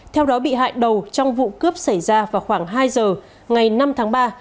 theo đó bị hại đầu trong vụ cướp xảy ra vào khoảng hai giờ ngày năm tháng ba